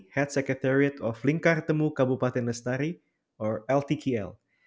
ketua sekretariat lingkar temu kabupaten nestari atau ltkl